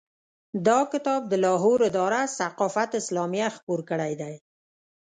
دا کتاب د لاهور اداره ثقافت اسلامیه خپور کړی دی.